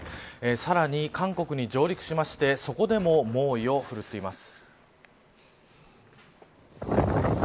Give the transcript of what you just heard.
さらに、韓国に上陸してそこでも猛威を振るっています。